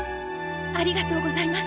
ありがとうございます！